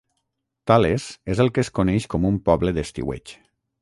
Tales és el que es coneix com un poble d'estiueig.